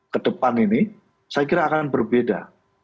kedepan ini saya kira akan berbeda